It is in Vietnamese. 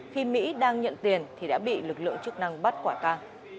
khi mỹ đang nhận tiền thì đã bị lực lượng chức năng bắt quả ca